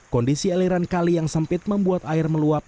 kondisi aliran kali yang sempit membuat air meluap